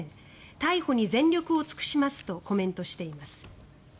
逮捕に全力を尽くしますとコメントしています。